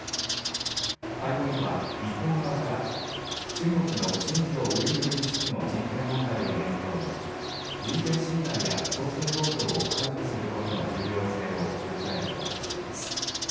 会合では日本側から中国の新疆ウイグル自治区の人権問題を念頭に人権侵害や強制労働を排除することの重要性を訴えることにしています。